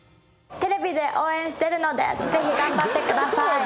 「テレビで応援してるのでぜひ頑張ってください」